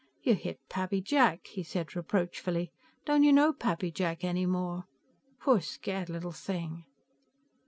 "You hit Pappy Jack!" he said reproachfully. "Don't you know Pappy any more? Poor scared little thing!"